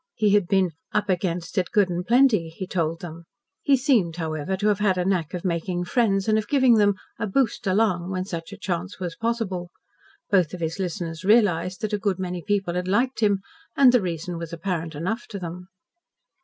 He had been "up against it good and plenty," he told them. He seemed, however, to have had a knack of making friends and of giving them "a boost along" when such a chance was possible. Both of his listeners realised that a good many people had liked him, and the reason was apparent enough to them.